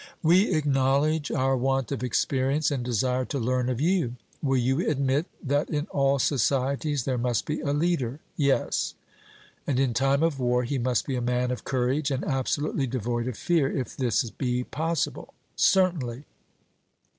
'We acknowledge our want of experience, and desire to learn of you.' Will you admit that in all societies there must be a leader? 'Yes.' And in time of war he must be a man of courage and absolutely devoid of fear, if this be possible? 'Certainly.'